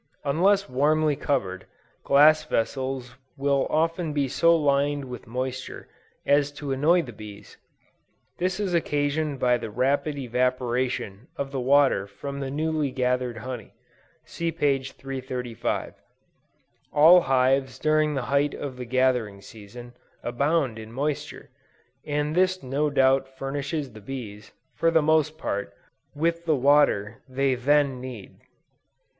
Unless warmly covered, glass vessels will often be so lined with moisture, as to annoy the bees. This is occasioned by the rapid evaporation of the water from the newly gathered honey, (see p. 335.) All hives during the height of the gathering season, abound in moisture, and this no doubt furnishes the bees, for the most part, with the water they then need.